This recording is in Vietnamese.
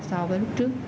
so với lúc trước